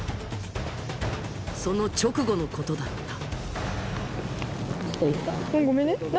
その直後のことだった